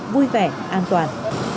vui vẻ an toàn